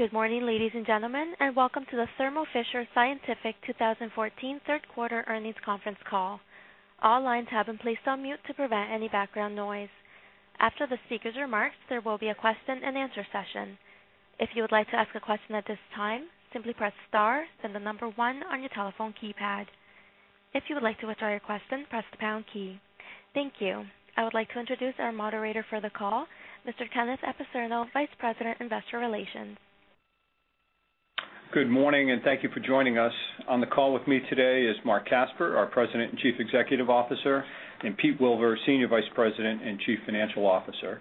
Good morning, ladies and gentlemen. Welcome to the Thermo Fisher Scientific 2014 third quarter earnings conference call. All lines have been placed on mute to prevent any background noise. After the speaker's remarks, there will be a question and answer session. If you would like to ask a question at this time, simply press star, then the number one on your telephone keypad. If you would like to withdraw your question, press the pound key. Thank you. I would like to introduce our moderator for the call, Mr. Ken Apicerno, Vice President, Investor Relations. Good morning. Thank you for joining us. On the call with me today is Marc Casper, our President and Chief Executive Officer, and Peter Wilver, Senior Vice President and Chief Financial Officer.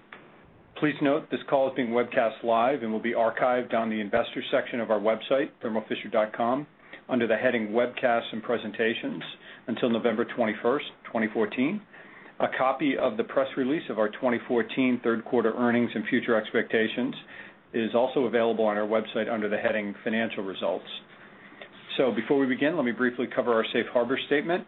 Please note, this call is being webcast live and will be archived on the investors section of our website, thermofisher.com, under the heading Webcasts and Presentations until November 21st, 2014. A copy of the press release of our 2014 third quarter earnings and future expectations is also available on our website under the heading Financial Results. Before we begin, let me briefly cover our safe harbor statement.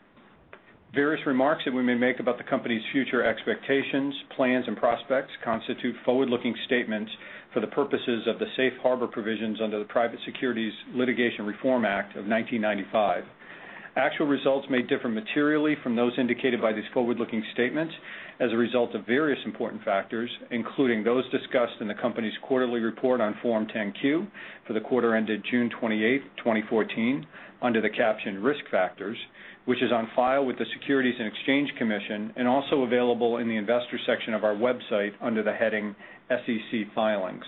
Various remarks that we may make about the company's future expectations, plans, and prospects constitute forward-looking statements for the purposes of the safe harbor provisions under the Private Securities Litigation Reform Act of 1995. Actual results may differ materially from those indicated by these forward-looking statements as a result of various important factors, including those discussed in the company's quarterly report on Form 10-Q for the quarter ended June 28th, 2014, under the caption Risk Factors, which is on file with the Securities and Exchange Commission and also available in the investors section of our website under the heading SEC Filings.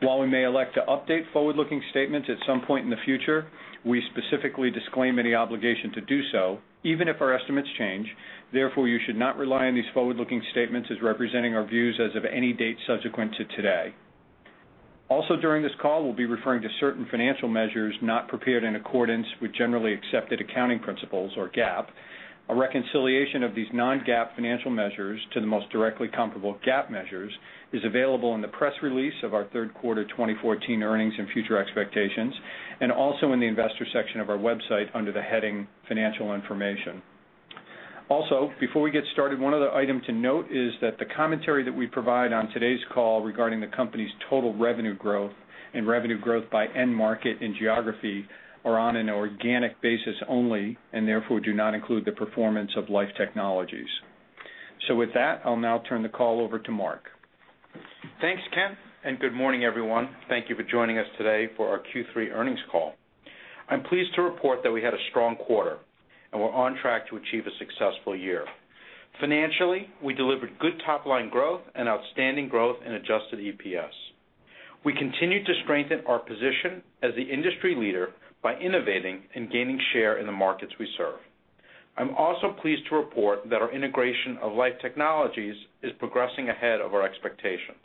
While we may elect to update forward-looking statements at some point in the future, we specifically disclaim any obligation to do so, even if our estimates change. Therefore, you should not rely on these forward-looking statements as representing our views as of any date subsequent to today. Also during this call, we will be referring to certain financial measures not prepared in accordance with generally accepted accounting principles, or GAAP. A reconciliation of these non-GAAP financial measures to the most directly comparable GAAP measures is available in the press release of our third quarter 2014 earnings and future expectations, and also in the investor section of our website under the heading Financial Information. Also, before we get started, one other item to note is that the commentary that we provide on today's call regarding the company's total revenue growth and revenue growth by end market and geography are on an organic basis only and therefore do not include the performance of Life Technologies. With that, I will now turn the call over to Marc. Thanks, Ken, and good morning, everyone. Thank you for joining us today for our Q3 earnings call. I'm pleased to report that we had a strong quarter, and we're on track to achieve a successful year. Financially, we delivered good top-line growth and outstanding growth in adjusted EPS. We continued to strengthen our position as the industry leader by innovating and gaining share in the markets we serve. I'm also pleased to report that our integration of Life Technologies is progressing ahead of our expectations.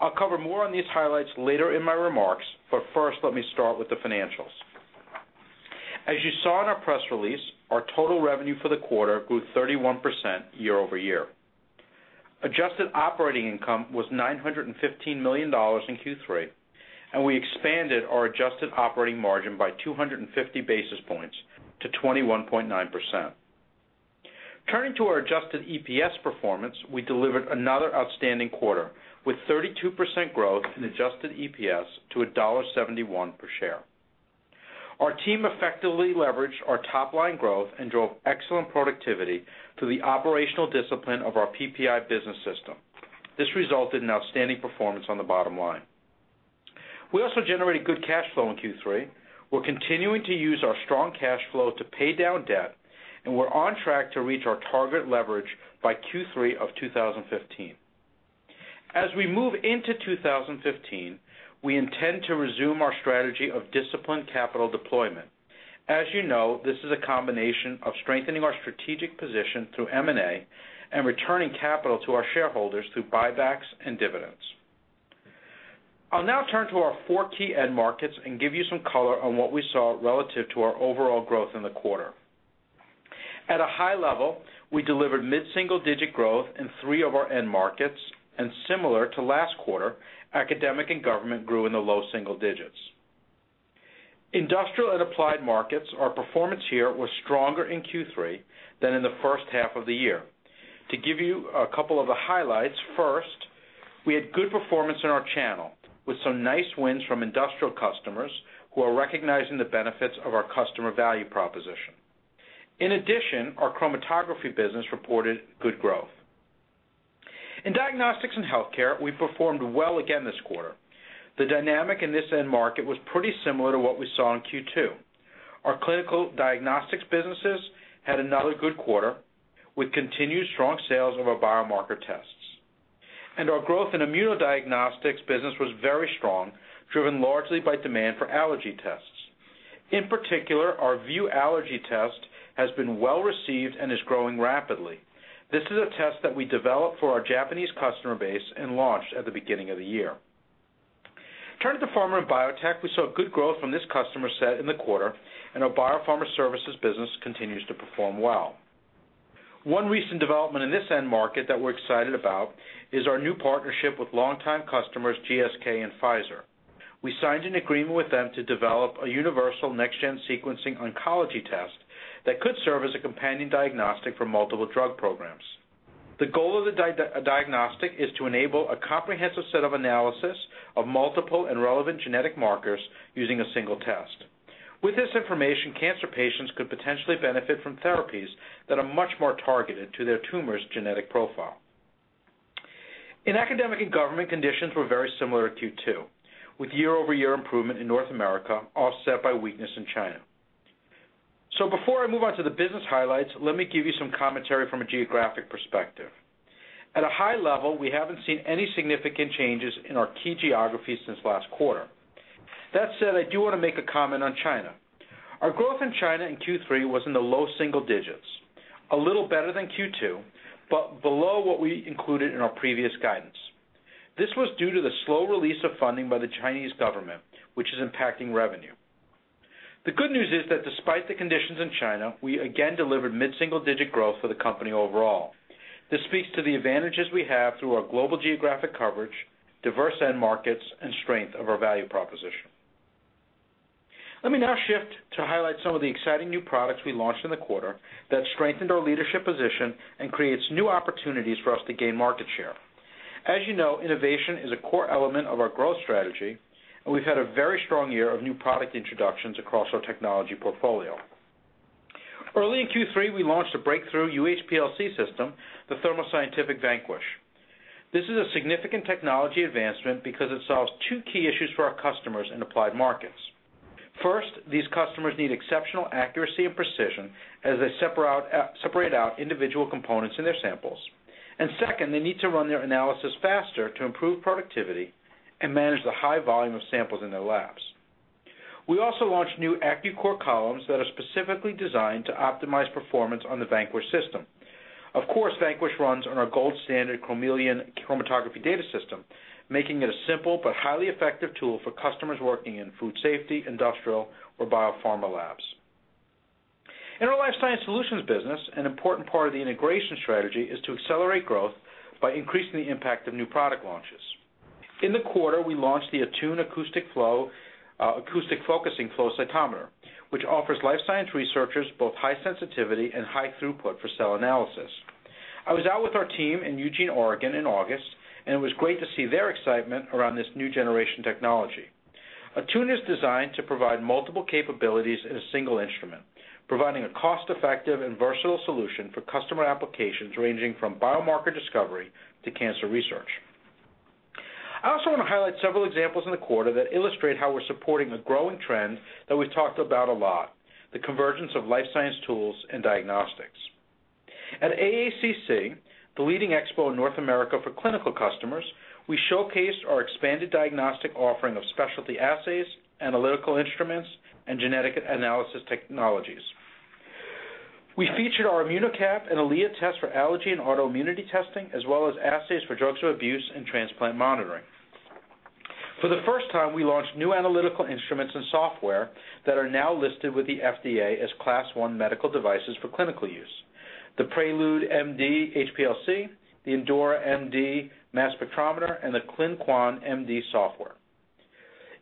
I'll cover more on these highlights later in my remarks, but first, let me start with the financials. As you saw in our press release, our total revenue for the quarter grew 31% year-over-year. Adjusted operating income was $915 million in Q3, and we expanded our adjusted operating margin by 250 basis points to 21.9%. Turning to our adjusted EPS performance, we delivered another outstanding quarter with 32% growth in adjusted EPS to $1.71 per share. Our team effectively leveraged our top-line growth and drove excellent productivity through the operational discipline of our PPI business system. This resulted in outstanding performance on the bottom line. We also generated good cash flow in Q3. We're continuing to use our strong cash flow to pay down debt, and we're on track to reach our target leverage by Q3 of 2015. As we move into 2015, we intend to resume our strategy of disciplined capital deployment. As you know, this is a combination of strengthening our strategic position through M&A and returning capital to our shareholders through buybacks and dividends. I'll now turn to our four key end markets and give you some color on what we saw relative to our overall growth in the quarter. At a high level, we delivered mid-single-digit growth in three of our end markets, and similar to last quarter, academic and government grew in the low single digits. Industrial and applied markets, our performance here was stronger in Q3 than in the first half of the year. To give you a couple of the highlights, first, we had good performance in our channel, with some nice wins from industrial customers who are recognizing the benefits of our customer value proposition. In addition, our chromatography business reported good growth. In diagnostics and healthcare, we performed well again this quarter. The dynamic in this end market was pretty similar to what we saw in Q2. Our clinical diagnostics businesses had another good quarter with continued strong sales of our biomarker tests. Our growth in immunodiagnostics business was very strong, driven largely by demand for allergy tests. In particular, our VIEW allergy test has been well-received and is growing rapidly. This is a test that we developed for our Japanese customer base and launched at the beginning of the year. Turning to pharma and biotech, we saw good growth from this customer set in the quarter, and our biopharma services business continues to perform well. One recent development in this end market that we're excited about is our new partnership with longtime customers GSK and Pfizer. We signed an agreement with them to develop a universal next-gen sequencing oncology test that could serve as a companion diagnostic for multiple drug programs. The goal of the diagnostic is to enable a comprehensive set of analysis of multiple and relevant genetic markers using a single test. With this information, cancer patients could potentially benefit from therapies that are much more targeted to their tumor's genetic profile. In academic and government, conditions were very similar to Q2, with year-over-year improvement in North America offset by weakness in China. Before I move on to the business highlights, let me give you some commentary from a geographic perspective. At a high level, we haven't seen any significant changes in our key geographies since last quarter. That said, I do want to make a comment on China. Our growth in China in Q3 was in the low single digits, a little better than Q2, but below what we included in our previous guidance. This was due to the slow release of funding by the Chinese government, which is impacting revenue. The good news is that despite the conditions in China, we again delivered mid-single digit growth for the company overall. This speaks to the advantages we have through our global geographic coverage, diverse end markets, and strength of our value proposition. Let me now shift to highlight some of the exciting new products we launched in the quarter that strengthened our leadership position and creates new opportunities for us to gain market share. As you know, innovation is a core element of our growth strategy, and we've had a very strong year of new product introductions across our technology portfolio. Early in Q3, we launched a breakthrough UHPLC system, the Thermo Scientific Vanquish. This is a significant technology advancement because it solves two key issues for our customers in applied markets. First, these customers need exceptional accuracy and precision as they separate out individual components in their samples. Second, they need to run their analysis faster to improve productivity and manage the high volume of samples in their labs. We also launched new Accucore columns that are specifically designed to optimize performance on the Vanquish system. Of course, Vanquish runs on our gold standard Chromeleon chromatography data system, making it a simple but highly effective tool for customers working in food safety, industrial, or biopharma labs. In our Life Sciences Solutions business, an important part of the integration strategy is to accelerate growth by increasing the impact of new product launches. In the quarter, we launched the Attune Acoustic Focusing Flow Cytometer, which offers life science researchers both high sensitivity and high throughput for cell analysis. I was out with our team in Eugene, Oregon in August, and it was great to see their excitement around this new generation technology. Attune is designed to provide multiple capabilities in a single instrument, providing a cost-effective and versatile solution for customer applications ranging from biomarker discovery to cancer research. I also want to highlight several examples in the quarter that illustrate how we're supporting a growing trend that we've talked about a lot, the convergence of life science tools and diagnostics. At AACC, the leading expo in North America for clinical customers, we showcased our expanded diagnostic offering of specialty assays, analytical instruments, and genetic analysis technologies. We featured our ImmunoCAP and EliA tests for allergy and autoimmunity testing, as well as assays for drugs of abuse and transplant monitoring. For the first time, we launched new analytical instruments and software that are now listed with the FDA as Class 1 medical devices for clinical use. The Prelude MD HPLC, the Endura MD Mass Spectrometer, and the ClinQuan MD software.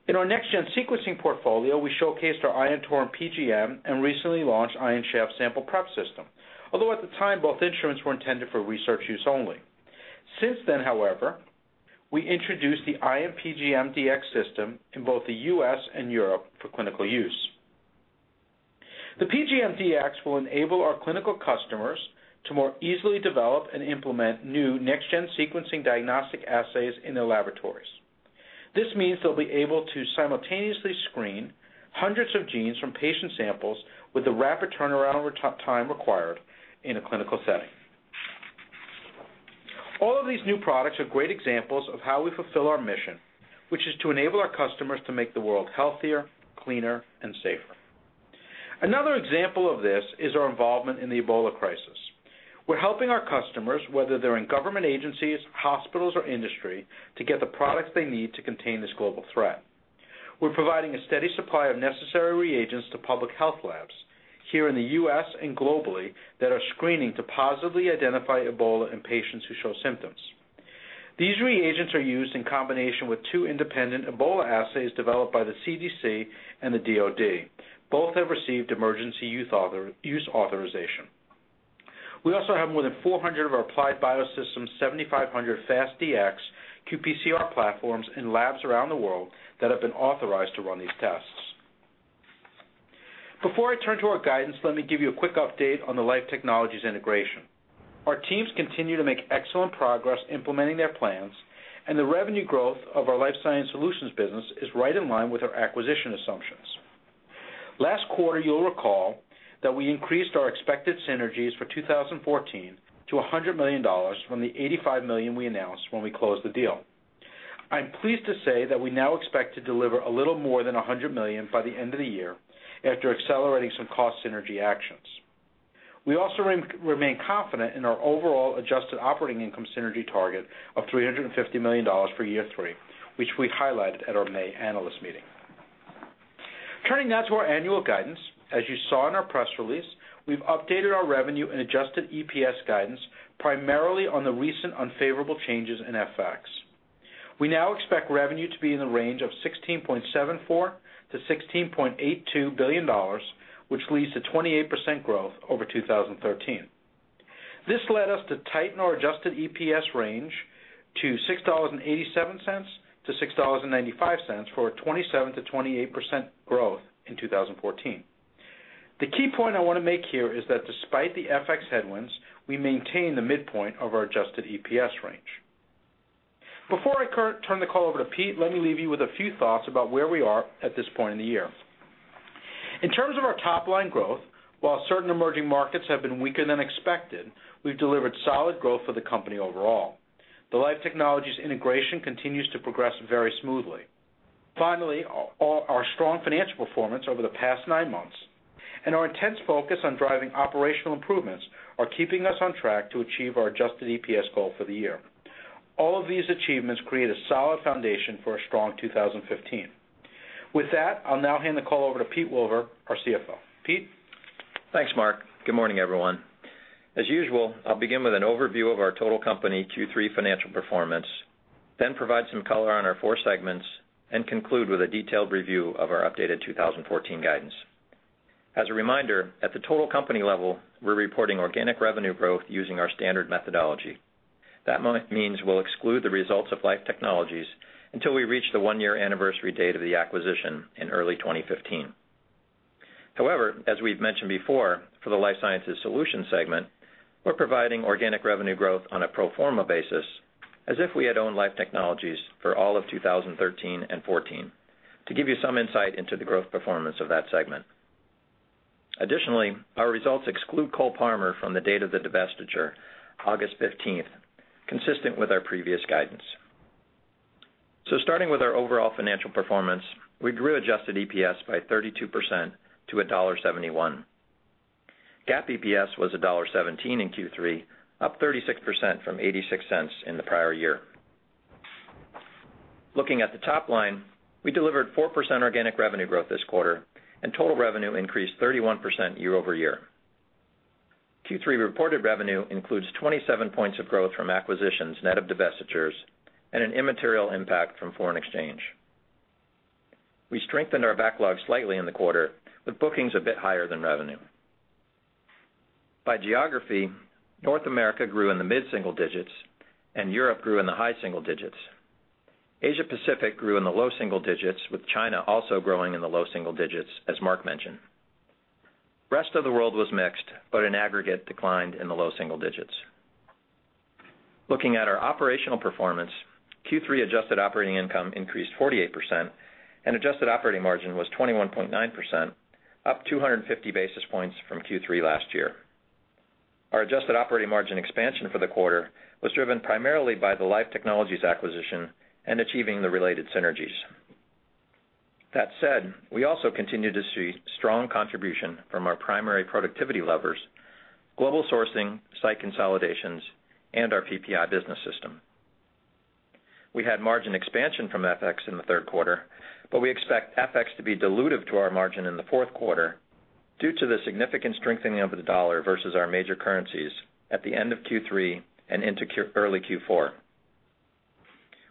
In our next-gen sequencing portfolio, we showcased our Ion Torrent PGM and recently launched Ion Chef sample prep system. Although at the time, both instruments were intended for research use only. Since then, however, we introduced the Ion PGM Dx system in both the U.S. and Europe for clinical use. The PGM Dx will enable our clinical customers to more easily develop and implement new next-gen sequencing diagnostic assays in their laboratories. This means they'll be able to simultaneously screen hundreds of genes from patient samples with the rapid turnaround time required in a clinical setting. All of these new products are great examples of how we fulfill our mission, which is to enable our customers to make the world healthier, cleaner, and safer. Another example of this is our involvement in the Ebola crisis. We're helping our customers, whether they're in government agencies, hospitals, or industry, to get the products they need to contain this global threat. We're providing a steady supply of necessary reagents to public health labs, here in the U.S. and globally, that are screening to positively identify Ebola in patients who show symptoms. These reagents are used in combination with two independent Ebola assays developed by the CDC and the DoD. Both have received emergency use authorization. We also have more than 400 of our Applied Biosystems 7500 Fast Dx qPCR platforms in labs around the world that have been authorized to run these tests. Before I turn to our guidance, let me give you a quick update on the Life Technologies integration. Our teams continue to make excellent progress implementing their plans, and the revenue growth of our Life Sciences Solutions business is right in line with our acquisition assumptions. Last quarter, you'll recall that we increased our expected synergies for 2014 to $100 million from the $85 million we announced when we closed the deal. I'm pleased to say that we now expect to deliver a little more than $100 million by the end of the year after accelerating some cost synergy actions. We also remain confident in our overall adjusted operating income synergy target of $350 million for year three, which we highlighted at our May analyst meeting. Turning now to our annual guidance. As you saw in our press release, we've updated our revenue and adjusted EPS guidance primarily on the recent unfavorable changes in FX. We now expect revenue to be in the range of $16.74 billion-$16.82 billion, which leads to 28% growth over 2013. This led us to tighten our adjusted EPS range to $6.87-$6.95 for a 27%-28% growth in 2014. The key point I want to make here is that despite the FX headwinds, we maintain the midpoint of our adjusted EPS range. Before I turn the call over to Pete, let me leave you with a few thoughts about where we are at this point in the year. In terms of our top-line growth, while certain emerging markets have been weaker than expected, we've delivered solid growth for the company overall. The Life Technologies integration continues to progress very smoothly. Finally, our strong financial performance over the past nine months and our intense focus on driving operational improvements are keeping us on track to achieve our adjusted EPS goal for the year. All of these achievements create a solid foundation for a strong 2015. With that, I'll now hand the call over to Pete Wilver, our CFO. Pete? Thanks, Mark. Good morning, everyone. As usual, I'll begin with an overview of our total company Q3 financial performance, then provide some color on our four segments, and conclude with a detailed review of our updated 2014 guidance. As a reminder, at the total company level, we're reporting organic revenue growth using our standard methodology. That means we'll exclude the results of Life Technologies until we reach the one-year anniversary date of the acquisition in early 2015. However, as we've mentioned before, for the Life Sciences Solutions segment, we're providing organic revenue growth on a pro forma basis as if we had owned Life Technologies for all of 2013 and 2014 to give you some insight into the growth performance of that segment. Additionally, our results exclude Cole-Parmer from the date of the divestiture, August 15th, consistent with our previous guidance. Starting with our overall financial performance, we grew adjusted EPS by 32% to $1.71. GAAP EPS was $1.17 in Q3, up 36% from $0.86 in the prior year. Looking at the top line, we delivered 4% organic revenue growth this quarter, total revenue increased 31% year-over-year. Q3 reported revenue includes 27 points of growth from acquisitions net of divestitures and an immaterial impact from foreign exchange. We strengthened our backlog slightly in the quarter, with bookings a bit higher than revenue. By geography, North America grew in the mid-single digits, Europe grew in the high single digits. Asia-Pacific grew in the low single digits, with China also growing in the low single digits, as Mark mentioned. Rest of the world was mixed, but in aggregate, declined in the low single digits. Looking at our operational performance, Q3 adjusted operating income increased 48%, adjusted operating margin was 21.9%, up 250 basis points from Q3 last year. Our adjusted operating margin expansion for the quarter was driven primarily by the Life Technologies acquisition and achieving the related synergies. That said, we also continue to see strong contribution from our primary productivity levers: global sourcing, site consolidations, and our PPI business system. We had margin expansion from FX in the third quarter, we expect FX to be dilutive to our margin in the fourth quarter due to the significant strengthening of the dollar versus our major currencies at the end of Q3 and into early Q4.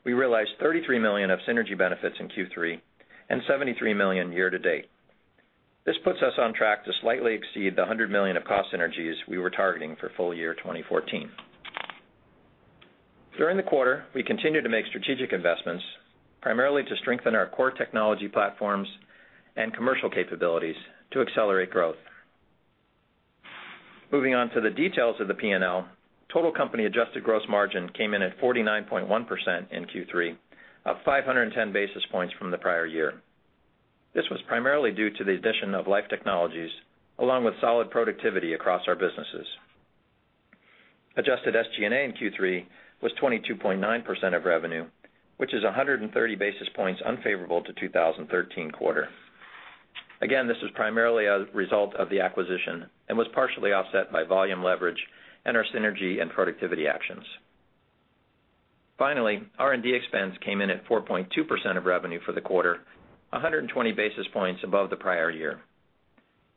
We realized $33 million of synergy benefits in Q3 and $73 million year-to-date. This puts us on track to slightly exceed the $100 million of cost synergies we were targeting for full year 2014. During the quarter, we continued to make strategic investments primarily to strengthen our core technology platforms and commercial capabilities to accelerate growth. Moving on to the details of the P&L, total company adjusted gross margin came in at 49.1% in Q3, up 510 basis points from the prior year. This was primarily due to the addition of Life Technologies, along with solid productivity across our businesses. Adjusted SG&A in Q3 was 22.9% of revenue, which is 130 basis points unfavorable to 2013 quarter. This is primarily a result of the acquisition and was partially offset by volume leverage and our synergy and productivity actions. Finally, R&D expense came in at 4.2% of revenue for the quarter, 120 basis points above the prior year.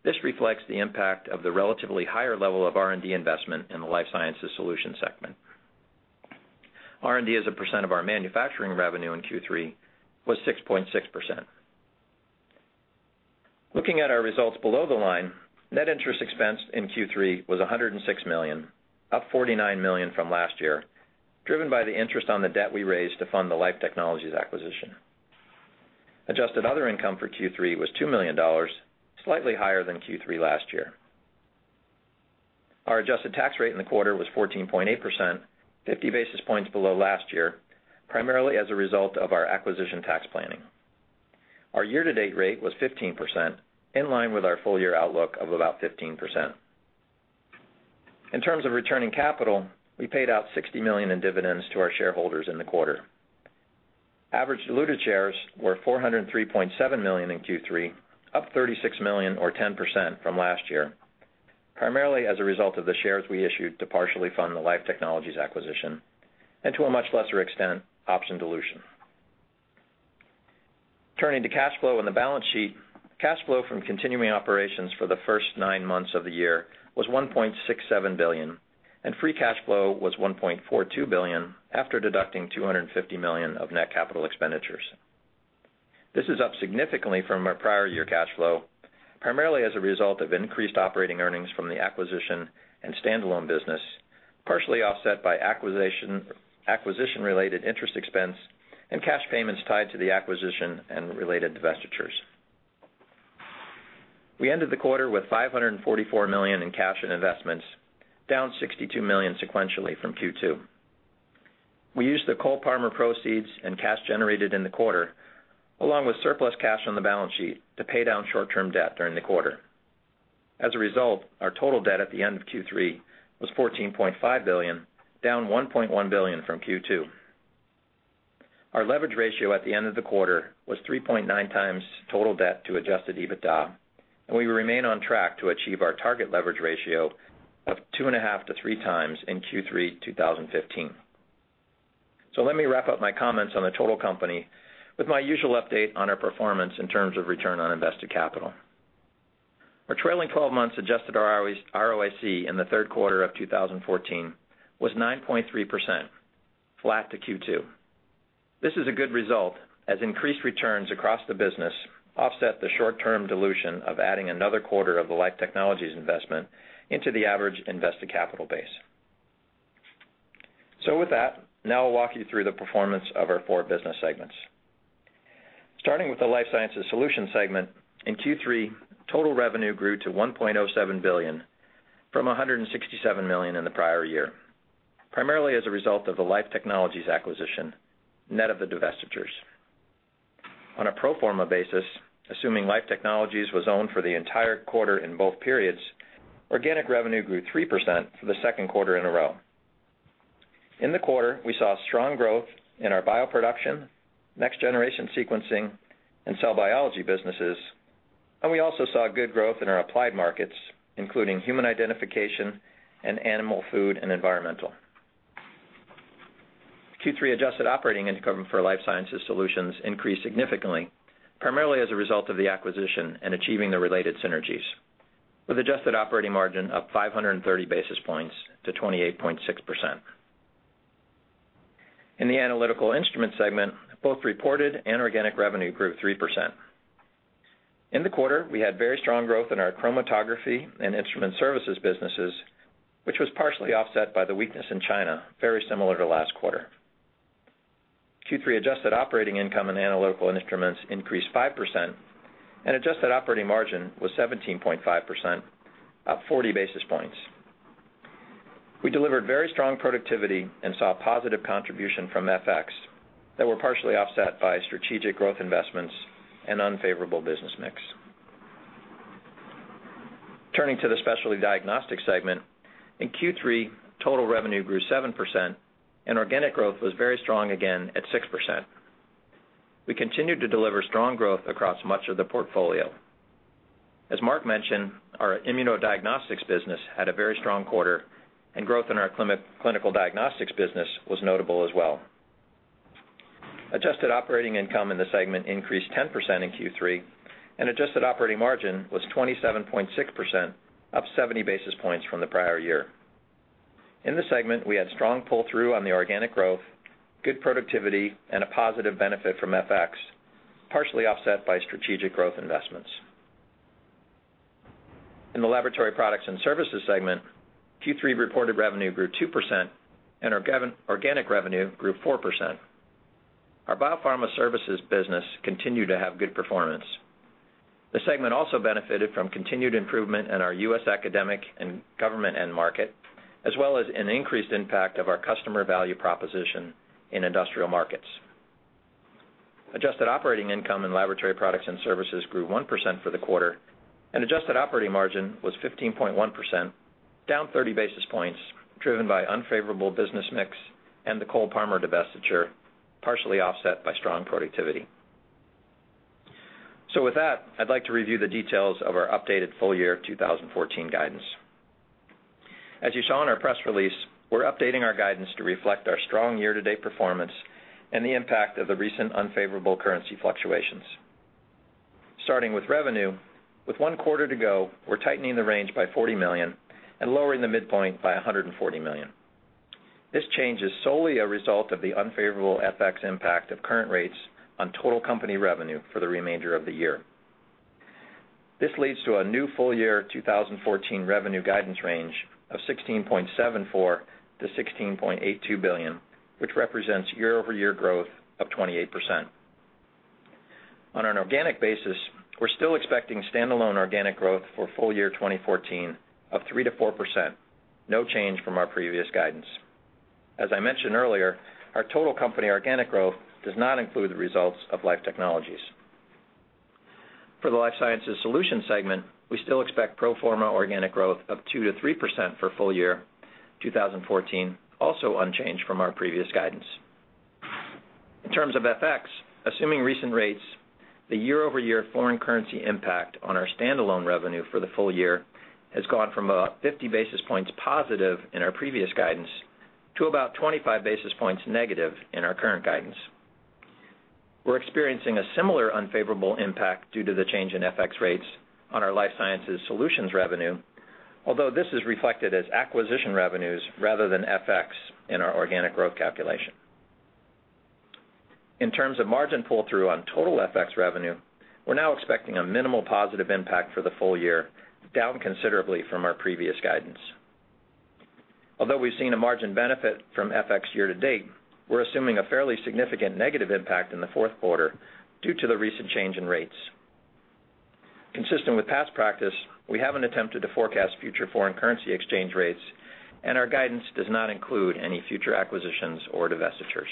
This reflects the impact of the relatively higher level of R&D investment in the Life Sciences Solutions segment. R&D as a percent of our manufacturing revenue in Q3 was 6.6%. Looking at our results below the line, net interest expense in Q3 was $106 million, up $49 million from last year, driven by the interest on the debt we raised to fund the Life Technologies acquisition. Adjusted other income for Q3 was $2 million, slightly higher than Q3 last year. Our adjusted tax rate in the quarter was 14.8%, 50 basis points below last year, primarily as a result of our acquisition tax planning. Our year-to-date rate was 15%, in line with our full-year outlook of about 15%. In terms of returning capital, we paid out $60 million in dividends to our shareholders in the quarter. Average diluted shares were 403.7 million in Q3, up 36 million or 10% from last year, primarily as a result of the shares we issued to partially fund the Life Technologies acquisition, and to a much lesser extent, option dilution. Turning to cash flow on the balance sheet, cash flow from continuing operations for the first nine months of the year was $1.67 billion, and free cash flow was $1.42 billion after deducting $250 million of net capital expenditures. This is up significantly from our prior year cash flow, primarily as a result of increased operating earnings from the acquisition and standalone business, partially offset by acquisition-related interest expense and cash payments tied to the acquisition and related divestitures. We ended the quarter with $544 million in cash and investments, down $62 million sequentially from Q2. We used the Cole-Parmer proceeds and cash generated in the quarter, along with surplus cash on the balance sheet to pay down short-term debt during the quarter. As a result, our total debt at the end of Q3 was $14.5 billion, down $1.1 billion from Q2. Our leverage ratio at the end of the quarter was 3.9 times total debt to adjusted EBITDA, and we remain on track to achieve our target leverage ratio of two and a half to three times in Q3 2015. Let me wrap up my comments on the total company with my usual update on our performance in terms of return on invested capital. Our trailing 12 months adjusted ROIC in the third quarter of 2014 was 9.3%, flat to Q2. This is a good result as increased returns across the business offset the short-term dilution of adding another quarter of the Life Technologies investment into the average invested capital base. With that, now I'll walk you through the performance of our four business segments. Starting with the Life Sciences Solutions segment, in Q3, total revenue grew to $1.07 billion from $167 million in the prior year, primarily as a result of the Life Technologies acquisition, net of the divestitures. On a pro forma basis, assuming Life Technologies was owned for the entire quarter in both periods, organic revenue grew 3% for the second quarter in a row. In the quarter, we saw strong growth in our bioproduction, next-generation sequencing, and cell biology businesses, and we also saw good growth in our applied markets, including human identification and animal food and environmental. Q3 adjusted operating income for Life Sciences Solutions increased significantly, primarily as a result of the acquisition and achieving the related synergies, with adjusted operating margin up 530 basis points to 28.6%. In the Analytical Instruments segment, both reported and organic revenue grew 3%. In the quarter, we had very strong growth in our chromatography and instrument services businesses, which was partially offset by the weakness in China, very similar to last quarter. Q3 adjusted operating income in Analytical Instruments increased 5%, and adjusted operating margin was 17.5%, up 40 basis points. We delivered very strong productivity and saw a positive contribution from FX that were partially offset by strategic growth investments and unfavorable business mix. Turning to the Specialty Diagnostics segment, in Q3, total revenue grew 7%, and organic growth was very strong again at 6%. We continued to deliver strong growth across much of the portfolio. As Marc mentioned, our immunodiagnostics business had a very strong quarter, and growth in our clinical diagnostics business was notable as well. Adjusted operating income in the segment increased 10% in Q3, and adjusted operating margin was 27.6%, up 70 basis points from the prior year. In the segment, we had strong pull-through on the organic growth, good productivity, and a positive benefit from FX, partially offset by strategic growth investments. In the Laboratory Products and Services segment, Q3 reported revenue grew 2%, and organic revenue grew 4%. Our biopharma services business continued to have good performance. The segment also benefited from continued improvement in our U.S. academic and government end market, as well as an increased impact of our customer value proposition in industrial markets. Adjusted operating income in Laboratory Products and Services grew 1% for the quarter, and adjusted operating margin was 15.1%, down 30 basis points, driven by unfavorable business mix and the Cole-Parmer divestiture, partially offset by strong productivity. With that, I'd like to review the details of our updated full year 2014 guidance. As you saw in our press release, we're updating our guidance to reflect our strong year-to-date performance and the impact of the recent unfavorable currency fluctuations. Starting with revenue, with one quarter to go, we're tightening the range by $40 million and lowering the midpoint by $140 million. This change is solely a result of the unfavorable FX impact of current rates on total company revenue for the remainder of the year. This leads to a new full year 2014 revenue guidance range of $16.74 billion-$16.82 billion, which represents year-over-year growth of 28%. On an organic basis, we're still expecting standalone organic growth for full year 2014 of 3%-4%, no change from our previous guidance. As I mentioned earlier, our total company organic growth does not include the results of Life Technologies. For the Life Sciences Solutions segment, we still expect pro forma organic growth of 2%-3% for full year 2014, also unchanged from our previous guidance. In terms of FX, assuming recent rates, the year-over-year foreign currency impact on our standalone revenue for the full year has gone from a 50 basis points positive in our previous guidance to about 25 basis points negative in our current guidance. We're experiencing a similar unfavorable impact due to the change in FX rates on our Life Sciences Solutions revenue, although this is reflected as acquisition revenues rather than FX in our organic growth calculation. In terms of margin pull-through on total FX revenue, we're now expecting a minimal positive impact for the full year, down considerably from our previous guidance. Although we've seen a margin benefit from FX year to date, we're assuming a fairly significant negative impact in the fourth quarter due to the recent change in rates. Consistent with past practice, we haven't attempted to forecast future foreign currency exchange rates. Our guidance does not include any future acquisitions or divestitures.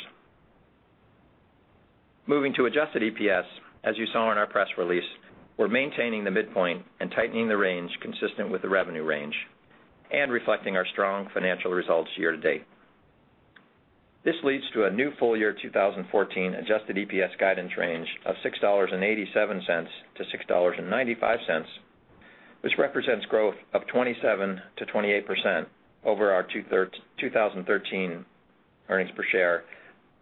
Moving to adjusted EPS, as you saw in our press release, we're maintaining the midpoint and tightening the range consistent with the revenue range and reflecting our strong financial results year to date. This leads to a new full year 2014 adjusted EPS guidance range of $6.87-$6.95, which represents growth of 27%-28% over our 2013 earnings per share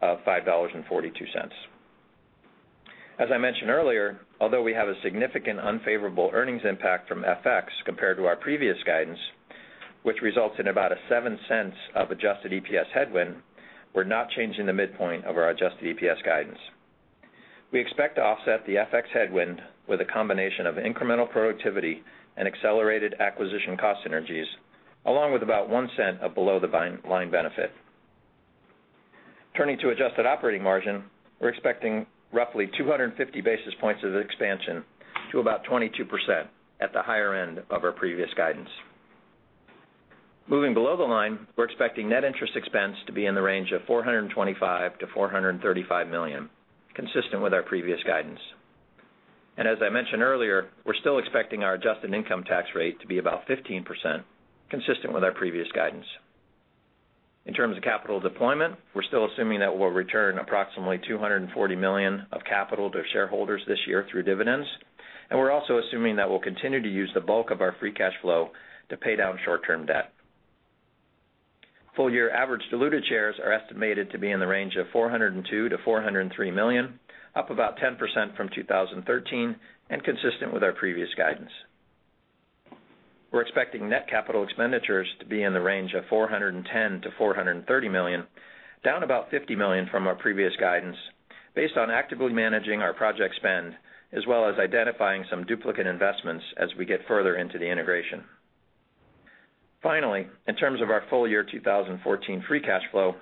of $5.42. As I mentioned earlier, although we have a significant unfavorable earnings impact from FX compared to our previous guidance, which results in about $0.07 of adjusted EPS headwind, we're not changing the midpoint of our adjusted EPS guidance. We expect to offset the FX headwind with a combination of incremental productivity and accelerated acquisition cost synergies, along with about $0.01 of below-the-line benefit. Turning to adjusted operating margin, we're expecting roughly 250 basis points of expansion to about 22% at the higher end of our previous guidance. Moving below the line, we're expecting net interest expense to be in the range of $425 million-$435 million, consistent with our previous guidance. As I mentioned earlier, we're still expecting our adjusted income tax rate to be about 15%, consistent with our previous guidance. In terms of capital deployment, we're still assuming that we'll return approximately $240 million of capital to shareholders this year through dividends. We're also assuming that we'll continue to use the bulk of our free cash flow to pay down short-term debt. Full year average diluted shares are estimated to be in the range of 402 million-403 million, up about 10% from 2013 consistent with our previous guidance. We're expecting net capital expenditures to be in the range of $410 million-$430 million, down about $50 million from our previous guidance based on actively managing our project spend, as well as identifying some duplicate investments as we get further into the integration. Finally, in terms of our full year 2014 free cash flow,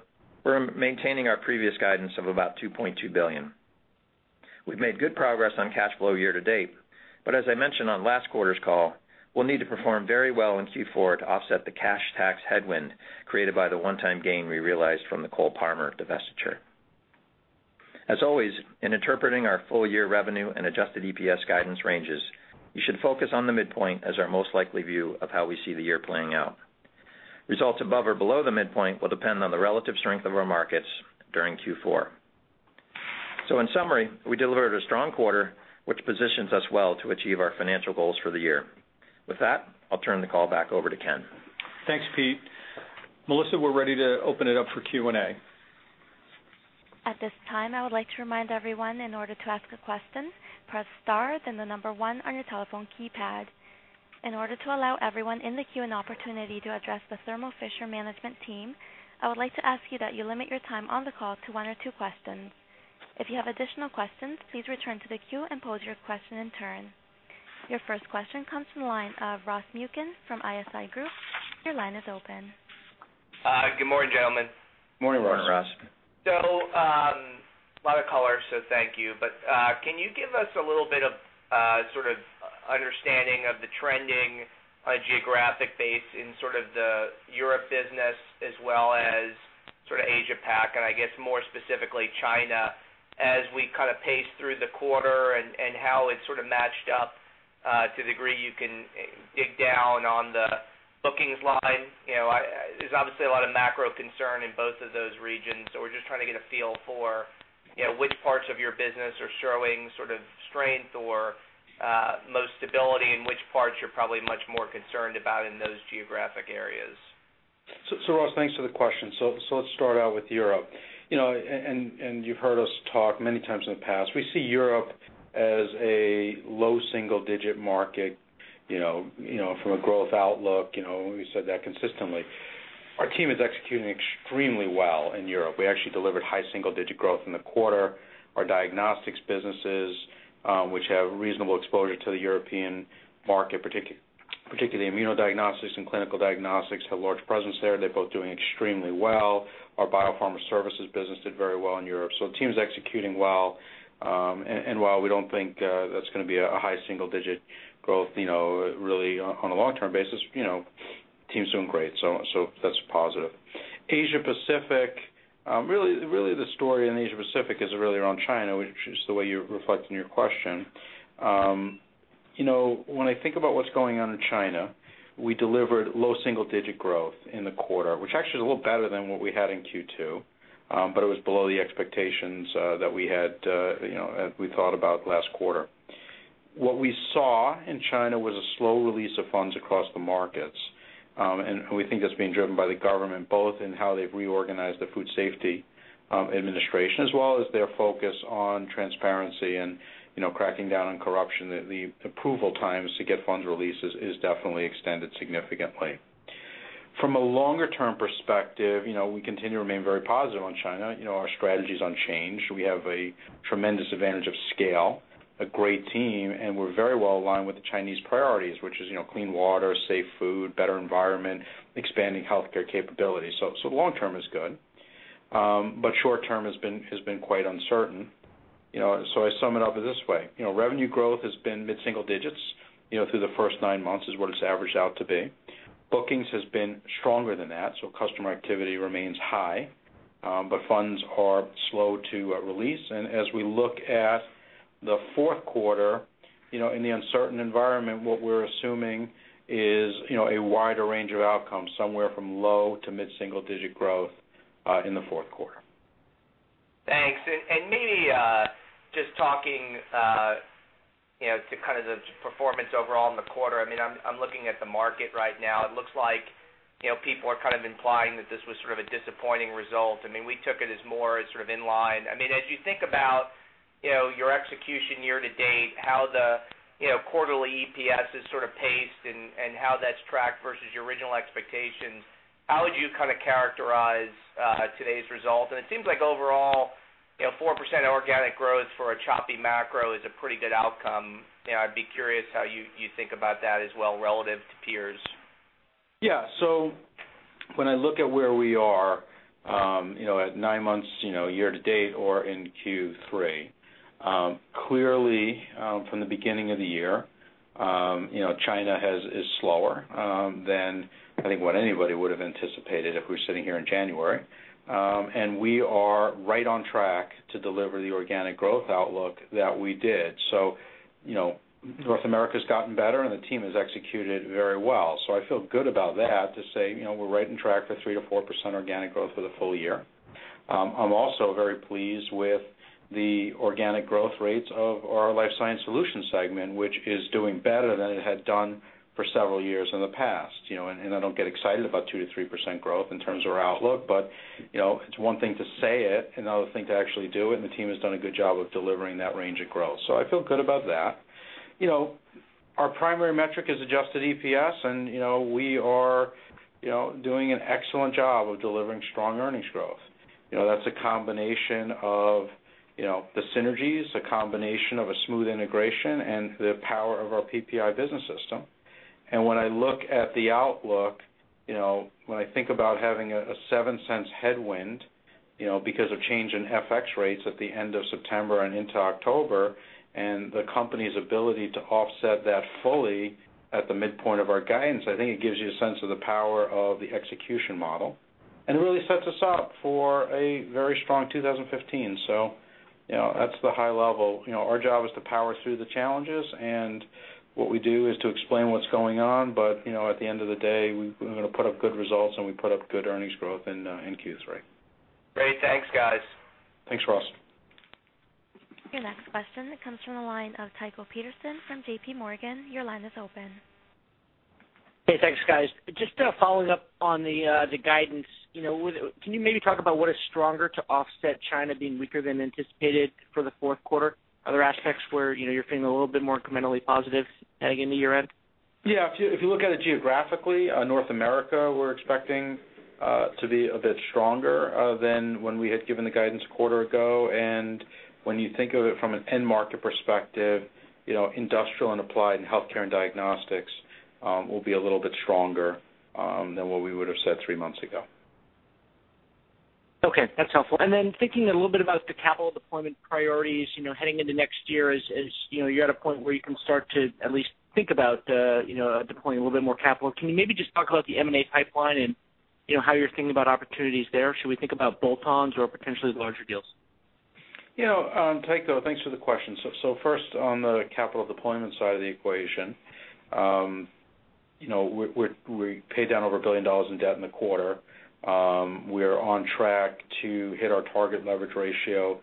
we're maintaining our previous guidance of about $2.2 billion. We've made good progress on cash flow year to date. As I mentioned on last quarter's call, we'll need to perform very well in Q4 to offset the cash tax headwind created by the one-time gain we realized from the Cole-Parmer divestiture. As always, in interpreting our full year revenue and adjusted EPS guidance ranges, you should focus on the midpoint as our most likely view of how we see the year playing out. Results above or below the midpoint will depend on the relative strength of our markets during Q4. In summary, we delivered a strong quarter, which positions us well to achieve our financial goals for the year. With that, I'll turn the call back over to Ken. Thanks, Pete. Melissa, we're ready to open it up for Q&A. At this time, I would like to remind everyone in order to ask a question, press star, then the number one on your telephone keypad. In order to allow everyone in the queue an opportunity to address the Thermo Fisher management team, I would like to ask you that you limit your time on the call to one or two questions. If you have additional questions, please return to the queue and pose your question in turn. Your first question comes from the line of Ross Muken from ISI Group. Your line is open. Good morning, gentlemen. Morning, Ross. Morning, Ross. A lot of color, thank you. Can you give us a little bit of understanding of the trending on a geographic base in the Europe business as well as Asia Pac, and I guess more specifically China as we pace through the quarter and how it's matched up to the degree you can dig down on the bookings line? There's obviously a lot of macro concern in both of those regions, we're just trying to get a feel for which parts of your business are showing strength or most stability, and which parts you're probably much more concerned about in those geographic areas. Ross, thanks for the question. Let's start out with Europe. You've heard us talk many times in the past. We see Europe as a low single-digit market from a growth outlook. We've said that consistently. Our team is executing extremely well in Europe. We actually delivered high single-digit growth in the quarter. Our diagnostics businesses, which have reasonable exposure to the European market, particularly immunodiagnostics and clinical diagnostics, have large presence there. They're both doing extremely well. Our biopharma services business did very well in Europe. The team's executing well. While we don't think that's going to be a high single-digit growth really on a long-term basis, team's doing great. That's positive. Asia Pacific, really the story in Asia Pacific is really around China, which is the way you reflect in your question. I think about what's going on in China, we delivered low single-digit growth in the quarter, which actually is a little better than what we had in Q2, but it was below the expectations that we had as we thought about last quarter. What we saw in China was a slow release of funds across the markets, and we think that's being driven by the government, both in how they've reorganized the Food Safety Administration, as well as their focus on transparency and cracking down on corruption. The approval times to get funds released is definitely extended significantly. From a longer-term perspective, we continue to remain very positive on China. Our strategy's unchanged. We have a tremendous advantage of scale, a great team, and we're very well aligned with the Chinese priorities, which is clean water, safe food, better environment, expanding healthcare capabilities. The long term is good. Short term has been quite uncertain. I sum it up this way: revenue growth has been mid-single digits through the first nine months, is what it's averaged out to be. Bookings has been stronger than that, customer activity remains high. Funds are slow to release. As we look at the fourth quarter, in the uncertain environment, what we're assuming is a wider range of outcomes, somewhere from low to mid-single digit growth in the fourth quarter. Thanks. Maybe just talking to kind of the performance overall in the quarter, I'm looking at the market right now. It looks like people are kind of implying that this was sort of a disappointing result. We took it as more sort of in line. As you think about your execution year to date, how the quarterly EPS is sort of paced, and how that's tracked versus your original expectations, how would you kind of characterize today's result? It seems like overall, 4% organic growth for a choppy macro is a pretty good outcome. I'd be curious how you think about that as well, relative to peers? Yeah. When I look at where we are at nine months year to date or in Q3, clearly from the beginning of the year, China is slower than I think what anybody would've anticipated if we were sitting here in January. We are right on track to deliver the organic growth outlook that we did. North America's gotten better, and the team has executed very well. I feel good about that to say we're right on track for 3%-4% organic growth for the full year. I'm also very pleased with the organic growth rates of our Life Sciences Solutions segment, which is doing better than it had done for several years in the past. I don't get excited about 2%-3% growth in terms of our outlook, it's one thing to say it, another thing to actually do it, the team has done a good job of delivering that range of growth. I feel good about that. Our primary metric is adjusted EPS, we are doing an excellent job of delivering strong earnings growth. That's a combination of the synergies, a combination of a smooth integration, and the power of our PPI business system. When I look at the outlook, when I think about having a $0.07 headwind because of change in FX rates at the end of September and into October, the company's ability to offset that fully at the midpoint of our guidance, I think it gives you a sense of the power of the execution model, it really sets us up for a very strong 2015. That's the high level. Our job is to power through the challenges, what we do is to explain what's going on. At the end of the day, we're going to put up good results, we put up good earnings growth in Q3. Great. Thanks, guys. Thanks, Ross. Your next question comes from the line of Tycho Peterson from JPMorgan. Your line is open. Hey, thanks, guys. Just following up on the guidance, can you maybe talk about what is stronger to offset China being weaker than anticipated for the fourth quarter? Other aspects where you're feeling a little bit more incrementally positive heading into year end? Yeah. If you look at it geographically, North America, we're expecting to be a bit stronger than when we had given the guidance a quarter ago. When you think of it from an end market perspective, industrial and applied and healthcare and diagnostics will be a little bit stronger than what we would've said three months ago. Okay, that's helpful. Then thinking a little bit about the capital deployment priorities heading into next year, as you're at a point where you can start to at least think about deploying a little bit more capital. Can you maybe just talk about the M&A pipeline and how you're thinking about opportunities there? Should we think about bolt-ons or potentially larger deals? Tycho, thanks for the question. First, on the capital deployment side of the equation, we paid down over $1 billion in debt in the quarter. We're on track to hit our target leverage ratio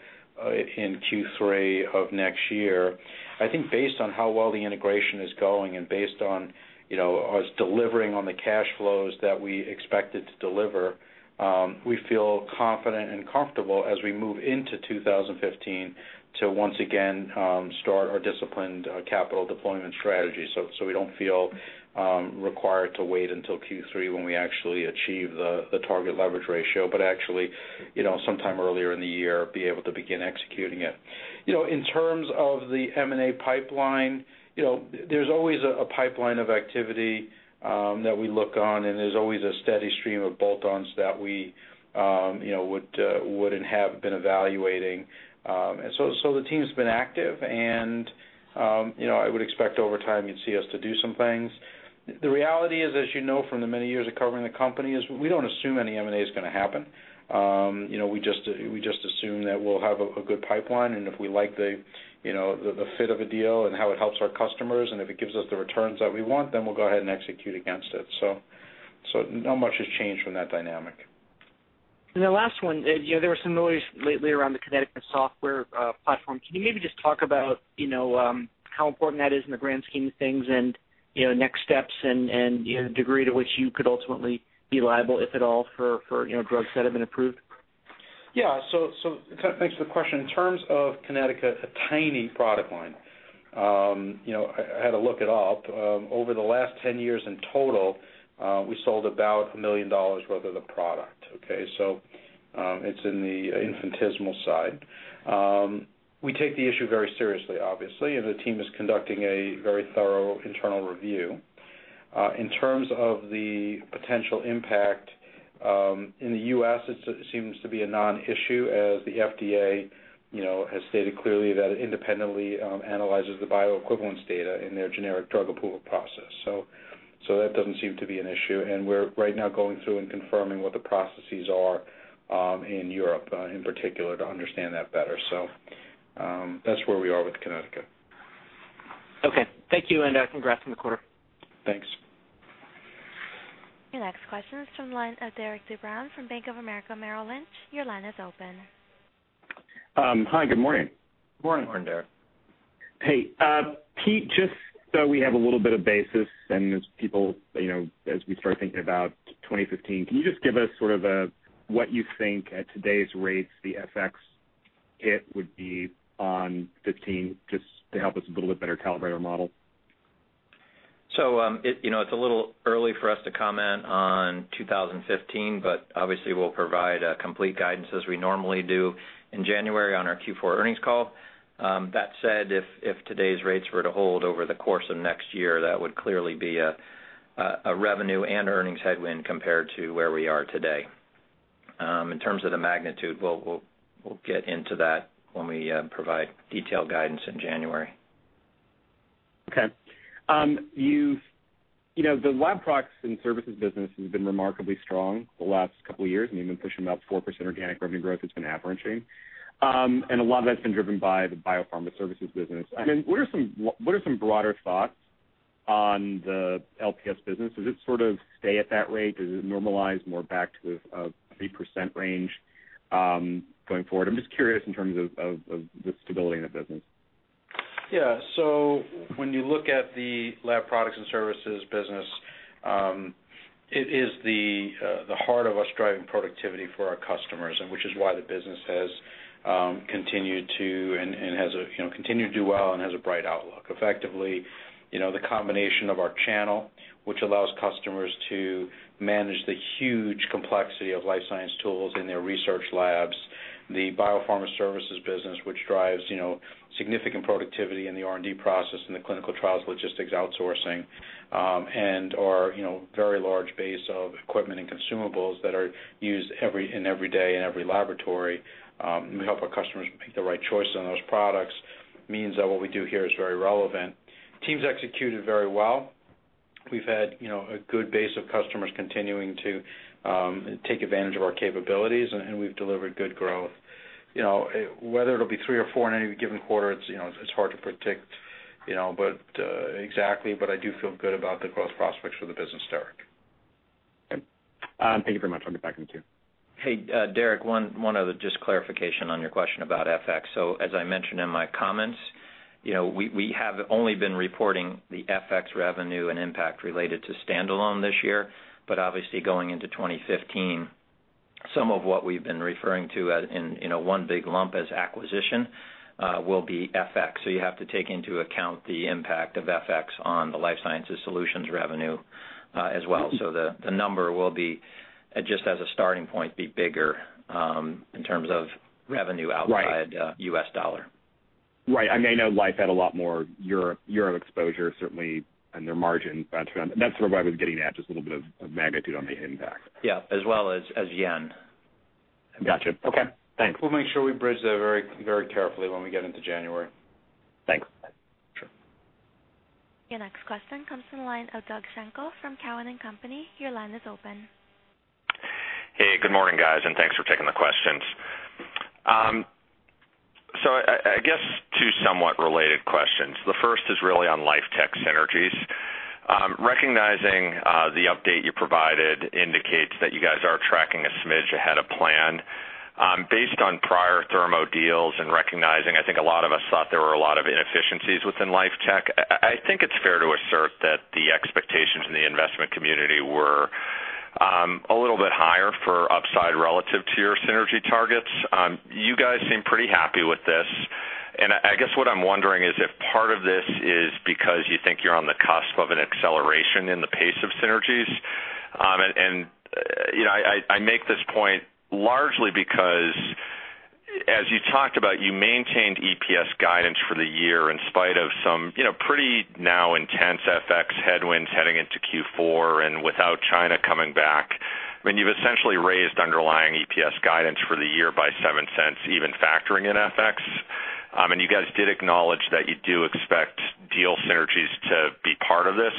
in Q3 of next year. I think based on how well the integration is going and based on us delivering on the cash flows that we expected to deliver, we feel confident and comfortable as we move into 2015 to once again start our disciplined capital deployment strategy. We don't feel required to wait until Q3 when we actually achieve the target leverage ratio, but actually, sometime earlier in the year, be able to begin executing it. In terms of the M&A pipeline, there's always a pipeline of activity that we look on, and there's always a steady stream of bolt-ons that we would and have been evaluating. The team's been active, and I would expect over time you'd see us to do some things. The reality is, as you know from the many years of covering the company, is we don't assume any M&A is going to happen. We just assume that we'll have a good pipeline, and if we like the fit of a deal and how it helps our customers, and if it gives us the returns that we want, then we'll go ahead and execute against it. Not much has changed from that dynamic. The last one, there was some noise lately around the Kinetica software platform. Can you maybe just talk about how important that is in the grand scheme of things and next steps and degree to which you could ultimately be liable, if at all, for drugs that have been approved? Thanks for the question. In terms of Kinetica, it's a tiny product line. I had to look it up. Over the last 10 years in total, we sold about $1 million worth of the product, okay? It's in the infinitesimal side. We take the issue very seriously, obviously, and the team is conducting a very thorough internal review. In terms of the potential impact, in the U.S., it seems to be a non-issue as the FDA has stated clearly that it independently analyzes the bioequivalence data in their generic drug approval process. That doesn't seem to be an issue, and we're right now going through and confirming what the processes are in Europe, in particular, to understand that better. That's where we are with Kinetica. Okay. Thank you, congrats on the quarter. Thanks. Your next question is from the line of Derik de Bruin from Bank of America Merrill Lynch. Your line is open. Hi, good morning. Good morning, Derik. Hey. Pete, just so we have a little bit of basis and as we start thinking about 2015, can you just give us what you think at today's rates the FX hit would be on 2015, just to help us a little bit better calibrate our model? It's a little early for us to comment on 2015, but obviously we'll provide a complete guidance as we normally do in January on our Q4 earnings call. That said, if today's rates were to hold over the course of next year, that would clearly be a revenue and earnings headwind compared to where we are today. In terms of the magnitude, we'll get into that when we provide detailed guidance in January. Okay. The Laboratory Products and Services business has been remarkably strong the last couple of years, you've been pushing about 4% organic revenue growth that's been approaching. A lot of that's been driven by the biopharma services business. I mean, what are some broader thoughts on the LPS business? Does it stay at that rate? Does it normalize more back to the 3% range going forward? I'm just curious in terms of the stability in the business. Yeah. When you look at the Laboratory Products and Services business, it is the heart of us driving productivity for our customers and which is why the business has continued to do well and has a bright outlook. Effectively, the combination of our channel, which allows customers to manage the huge complexity of life science tools in their research labs, the biopharma services business, which drives significant productivity in the R&D process and the clinical trials logistics outsourcing, and our very large base of equipment and consumables that are used every day in every laboratory, and we help our customers make the right choice on those products means that what we do here is very relevant. Team's executed very well. We've had a good base of customers continuing to take advantage of our capabilities, we've delivered good growth. Whether it'll be three or four in any given quarter, it's hard to predict exactly, but I do feel good about the growth prospects for the business, Derek. Okay. Thank you very much. I'll get back in the queue. Hey, Derek, one other just clarification on your question about FX. As I mentioned in my comments, we have only been reporting the FX revenue and impact related to standalone this year. But obviously going into 2015, some of what we've been referring to in a one big lump as acquisition will be FX. You have to take into account the impact of FX on the Life Sciences Solutions revenue as well. The number will be, just as a starting point, be bigger in terms of revenue outside U.S. dollar. Right. I know Life had a lot more Euro exposure, certainly on their margin. That's where what I was getting at, just a little bit of magnitude on the impact. Yeah. As well as yen. Gotcha. Okay. Thanks. We'll make sure we bridge that very carefully when we get into January. Thanks. Sure. Your next question comes from the line of Doug Schenkel from Cowen and Company. Your line is open. Hey, good morning, guys, and thanks for taking the questions. I guess two somewhat related questions. The first is really on LifeTech synergies. Recognizing the update you provided indicates that you guys are tracking a smidge ahead of plan. Based on prior Thermo deals and recognizing, I think a lot of us thought there were a lot of inefficiencies within LifeTech, I think it's fair to assert that the expectations in the investment community were a little bit higher for upside relative to your synergy targets. You guys seem pretty happy with this, and I guess what I'm wondering is if part of this is because you think you're on the cusp of an acceleration in the pace of synergies. I make this point largely because as you talked about, you maintained EPS guidance for the year in spite of some pretty now intense FX headwinds heading into Q4 and without China coming back. I mean, you've essentially raised underlying EPS guidance for the year by $0.07, even factoring in FX. You guys did acknowledge that you do expect deal synergies to be part of this.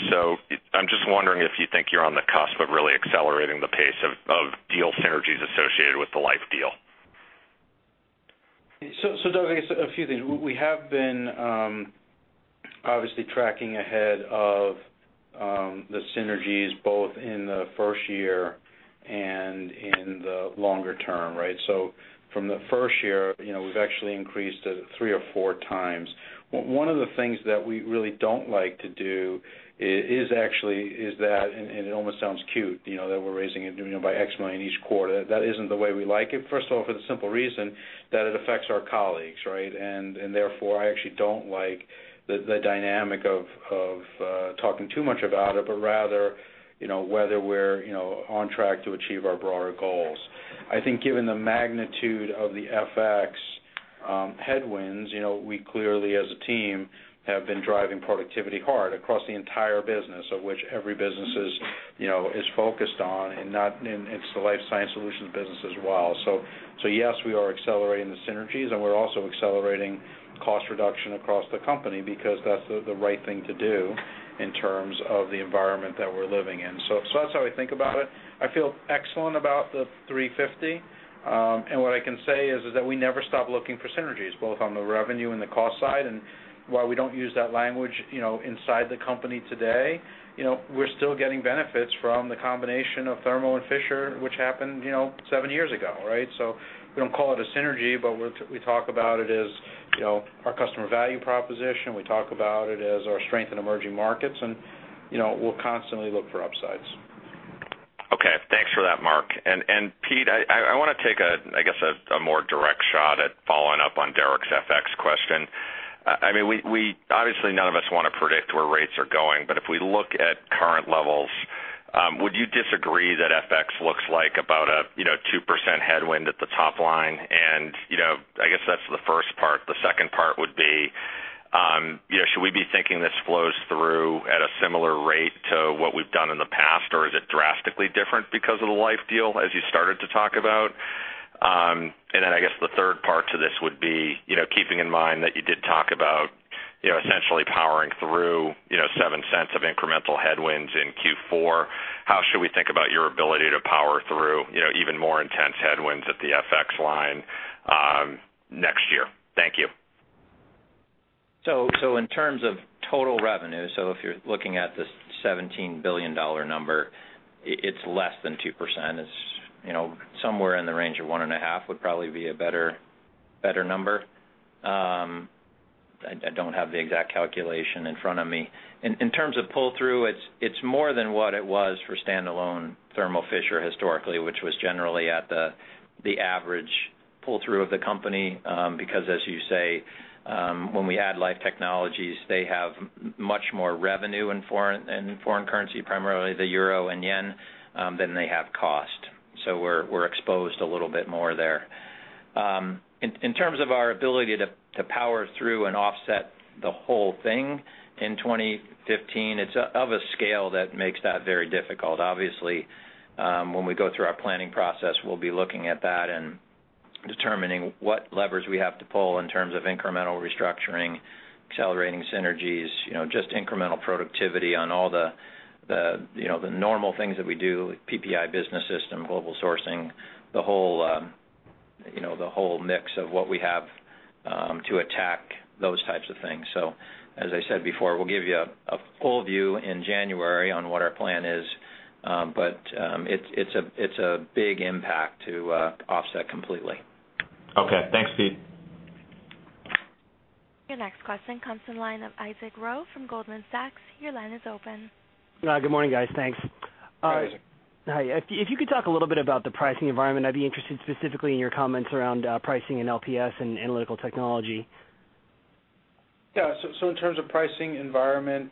I'm just wondering if you think you're on the cusp of really accelerating the pace of deal synergies associated with the Life deal. Derek, I guess a few things. We have been tracking ahead of the synergies both in the first year and in the longer term, right? From the first year, we've actually increased it three or four times. One of the things that we really don't like to do is that, and it almost sounds cute, that we're raising it by X million each quarter. That isn't the way we like it. First of all, for the simple reason that it affects our colleagues, right? Therefore, I actually don't like the dynamic of talking too much about it, but rather, whether we're on track to achieve our broader goals. I think given the magnitude of the FX headwinds, we clearly as a team, have been driving productivity hard across the entire business of which every business is focused on and it's the Life Sciences Solutions business as well. Yes, we are accelerating the synergies, and we're also accelerating cost reduction across the company because that's the right thing to do in terms of the environment that we're living in. That's how I think about it. I feel excellent about the $350. What I can say is that we never stop looking for synergies, both on the revenue and the cost side. While we don't use that language inside the company today, we're still getting benefits from the combination of Thermo and Fisher, which happened seven years ago, right? We don't call it a synergy, but we talk about it as our customer value proposition. We talk about it as our strength in emerging markets, we'll constantly look for upsides. Okay. Thanks for that, Marc. Peter, I want to take, I guess, a more direct shot at following up on Derek's FX question. Obviously none of us want to predict where rates are going, but if we look at current levels, would you disagree that FX looks like about a 2% headwind at the top line? I guess that's the first part. The second part would be, should we be thinking this flows through at a similar rate to what we've done in the past, or is it drastically different because of the Life deal, as you started to talk about? I guess the third part to this would be, keeping in mind that you did talk about essentially powering through $0.07 of incremental headwinds in Q4, how should we think about your ability to power through even more intense headwinds at the FX line next year? Thank you. In terms of total revenue, so if you're looking at the $17 billion number, it's less than 2%. It's somewhere in the range of one and a half would probably be a better number. I don't have the exact calculation in front of me. In terms of pull-through, it's more than what it was for standalone Thermo Fisher Scientific historically, which was generally at the average pull-through of the company, because as you say, when we add Life Technologies, they have much more revenue in foreign currency, primarily the euro and yen, than they have cost. We're exposed a little bit more there. In terms of our ability to power through and offset the whole thing in 2015, it's of a scale that makes that very difficult. Obviously, when we go through our planning process, we'll be looking at that and determining what levers we have to pull in terms of incremental restructuring, accelerating synergies, just incremental productivity on all the normal things that we do, PPI business system, global sourcing, the whole mix of what we have to attack those types of things. As I said before, we'll give you a full view in January on what our plan is, but it's a big impact to offset completely. Okay. Thanks, Pete. Your next question comes from the line of Isaac Ro from Goldman Sachs. Your line is open. Good morning, guys. Thanks. Hi, Isaac. Hi. If you could talk a little bit about the pricing environment, I'd be interested specifically in your comments around pricing in LPS and analytical technology. Yeah. In terms of pricing environment,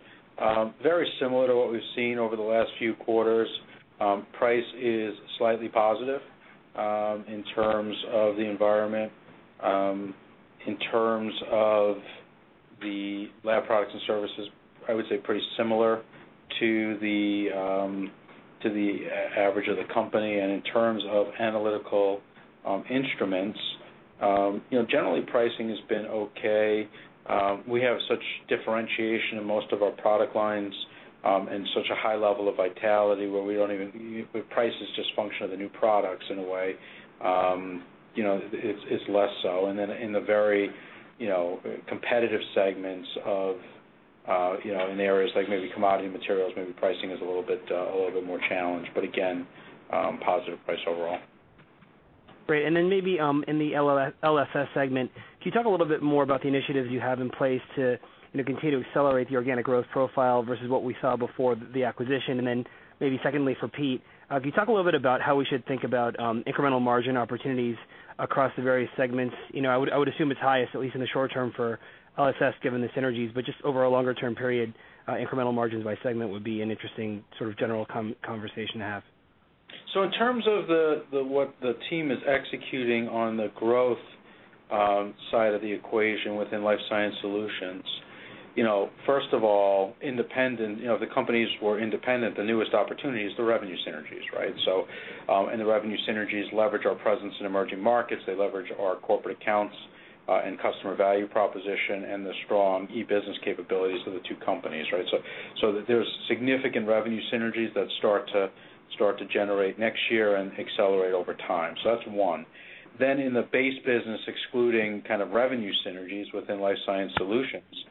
very similar to what we've seen over the last few quarters. Price is slightly positive in terms of the environment. In terms of the Laboratory Products and Services, I would say pretty similar to the average of the company. In terms of Analytical Instruments, generally pricing has been okay. We have such differentiation in most of our product lines, and such a high level of vitality where price is just function of the new products in a way, is less so. In the very competitive segments in areas like maybe commodity materials, maybe pricing is a little bit more challenged, but again, positive price overall. Great. Maybe in the LSS segment, can you talk a little bit more about the initiatives you have in place to continue to accelerate the organic growth profile versus what we saw before the acquisition? Secondly for Pete, can you talk a little bit about how we should think about incremental margin opportunities across the various segments? I would assume it's highest, at least in the short term for LSS given the synergies, but just over a longer-term period, incremental margins by segment would be an interesting sort of general conversation to have. In terms of what the team is executing on the growth side of the equation within Life Sciences Solutions, first of all, the companies were independent, the newest opportunity is the revenue synergies, right? The revenue synergies leverage our presence in emerging markets. They leverage our corporate accounts and customer value proposition and the strong e-business capabilities of the two companies, right? There's significant revenue synergies that start to generate next year and accelerate over time. That's one. In the base business, excluding revenue synergies within Life Sciences Solutions,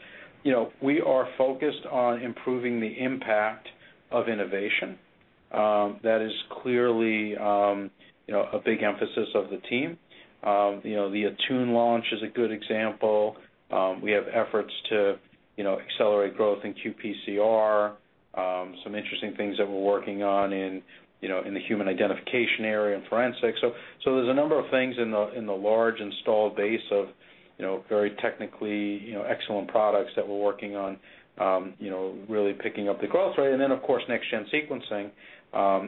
we are focused on improving the impact of innovation. That is clearly a big emphasis of the team. The Attune launch is a good example. We have efforts to accelerate growth in qPCR, some interesting things that we're working on in the human identification area and forensics. There's a number of things in the large installed base of very technically excellent products that we're working on, really picking up the growth rate. Of course, next-gen sequencing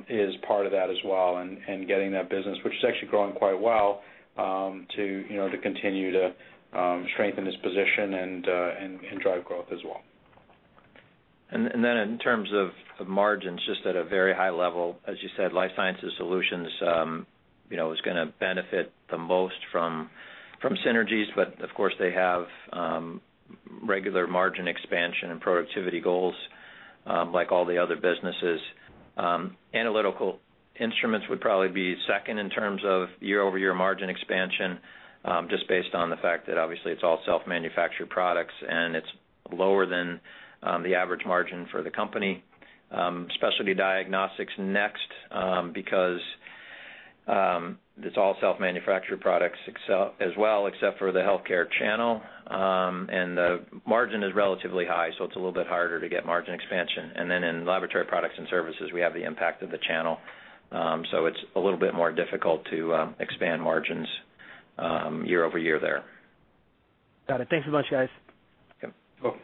is part of that as well, and getting that business, which is actually growing quite well, to continue to strengthen its position and drive growth as well. In terms of margins, just at a very high level, as you said, Life Sciences Solutions is going to benefit the most from synergies, but of course, they have regular margin expansion and productivity goals like all the other businesses. Analytical Instruments would probably be second in terms of year-over-year margin expansion, just based on the fact that obviously it's all self-manufactured products, and it's lower than the average margin for the company. Specialty Diagnostics next, because it's all self-manufactured products as well, except for the healthcare channel. The margin is relatively high, so it's a little bit harder to get margin expansion. In Laboratory Products and Services, we have the impact of the channel. It's a little bit more difficult to expand margins year-over-year there. Got it. Thanks a bunch, guys. Okay. You're welcome.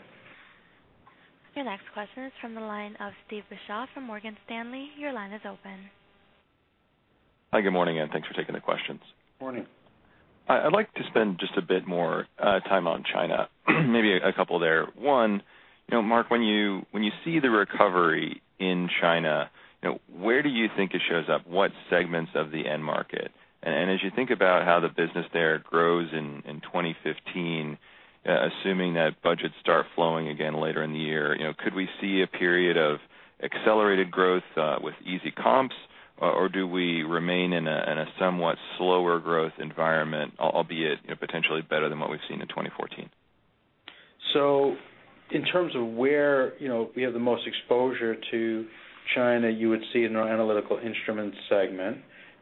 Your next question is from the line of Steve Beuchaw from Morgan Stanley. Your line is open. Hi, good morning, thanks for taking the questions. Morning. I'd like to spend just a bit more time on China, maybe a couple there. One, Marc, when you see the recovery in China, where do you think it shows up? What segments of the end market? As you think about how the business there grows in 2015, assuming that budgets start flowing again later in the year, could we see a period of accelerated growth with easy comps? Do we remain in a somewhat slower growth environment, albeit potentially better than what we've seen in 2014? In terms of where we have the most exposure to China, you would see in our Analytical Instruments segment